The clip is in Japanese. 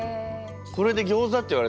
これでギョーザって言われた時あ